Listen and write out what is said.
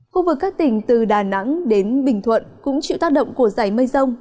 khu vực các tỉnh từ đà nẵng đến bình thuận cũng chịu tác động của giải mây rông